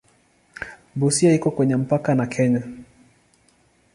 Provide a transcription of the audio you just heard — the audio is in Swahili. Busia iko kwenye mpaka na Kenya.